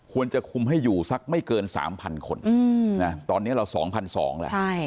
ควรจะคุมให้อยู่สักไม่เกินสามพันคนตอนนี้เราสองพันสองแล้ว